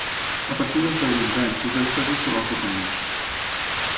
A partir dels deu i onze anys els èxtasis es van fer comuns.